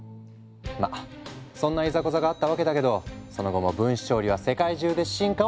まあそんないざこざがあったわけだけどその後も分子調理は世界中で進化を続けている。